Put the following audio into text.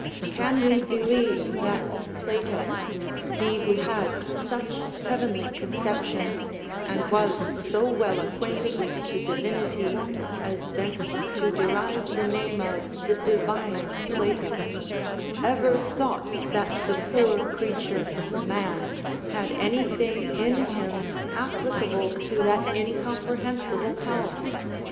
Can we believe that Plato, he who had such heavenly conceptions, and was so well acquainted with the Divinity as thence to derive the name of the Divine Plato, ever thought that the poor creature, man, had any thing in him applicable to that incomprehensible power?